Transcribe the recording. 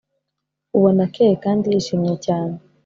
ubona akeye kandi yishimye cyane.